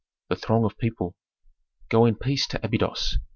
The throng of people. "Go in peace to Abydos!